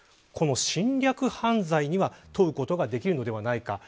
侵略犯罪には問うことができるのではないか。